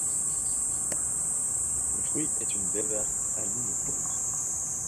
Le fruit est une baie verte à lignes pourpres.